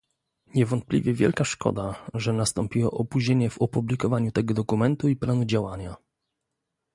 Niewątpliwie wielka szkoda, że nastąpiło opóźnienie w opublikowaniu tego dokumentu i planu działania